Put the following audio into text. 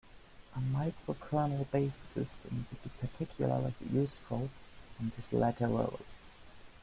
A microkernel-based system would be particularly useful in this latter role.